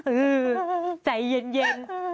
เออใจเย็น